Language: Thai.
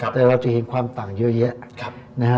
แต่เราจะเห็นความต่างเยอะแยะ